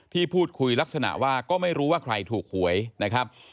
ที่พูดคุยลักษณะว่าก็ไม่รู้ว่าใครถูกหวยนะครับ